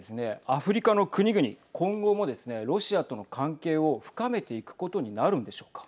アフリカの国々、今後もですねロシアとの関係を深めていくことになるんでしょうか。